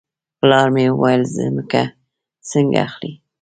پلار مې وویل ځمکه څنګه اخلې.